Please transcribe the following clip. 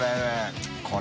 これ。